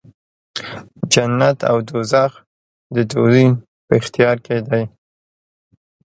جنت او دوږخ د دوی په اختیار کې دی.